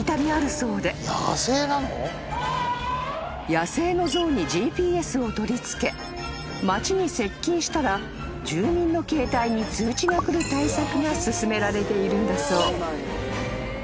［野生の象にＧＰＳを取り付け町に接近したら住民の携帯に通知が来る対策が進められているんだそう］